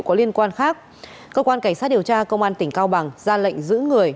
có liên quan khác cơ quan cảnh sát điều tra công an tỉnh cao bằng ra lệnh giữ người